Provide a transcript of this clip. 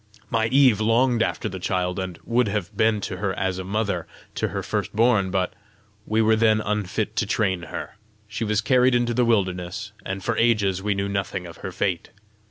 My Eve longed after the child, and would have been to her as a mother to her first born, but we were then unfit to train her: she was carried into the wilderness, and for ages we knew nothing of her fate.